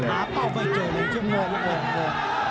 หาเป้าไปเจาะเลยชิบโง่โง่โง่